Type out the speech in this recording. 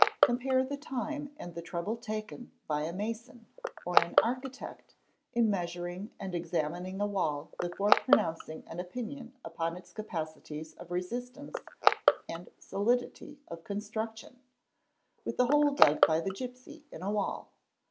Compare the time and the trouble taken by a mason or an architect in 'measuring and examining a wall before pronouncing an opinion upon its 9 apacities of resistance and solidity of construction, with the hole dug by the gipsy in a wall.